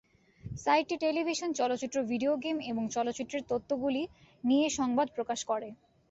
সাইটটি টেলিভিশন, চলচ্চিত্র, video game এবং চলচ্চিত্রের তত্ত্বগুলি নিয়ে সংবাদ প্রকাশ করে।